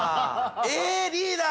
えリーダー！